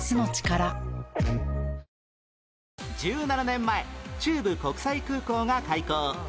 １７年前中部国際空港が開港